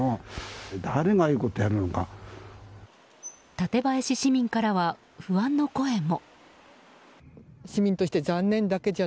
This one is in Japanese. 館林市民からは不安の声も。